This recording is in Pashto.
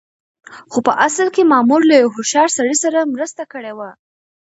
خو په اصل کې مامور له يوه هوښيار سړي سره مرسته کړې وه.